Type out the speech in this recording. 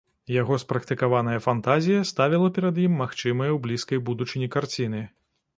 Яго спрактыкаваная фантазія ставіла перад ім магчымыя ў блізкай будучыні карціны.